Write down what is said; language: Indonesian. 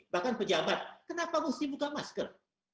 bahkan pejabat kenapa mesti buka masker